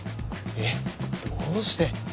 えっどうして。